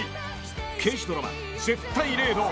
［刑事ドラマ『絶対零度』］